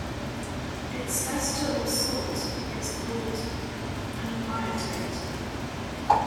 Its ester or salt is called an "abietate".